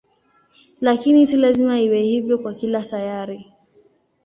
Lakini si lazima iwe hivyo kwa kila sayari.